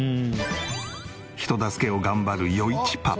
人助けを頑張る余一パパ。